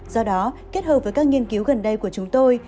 do đó kết hợp với các nghiên cứu gần đây của chúng tôi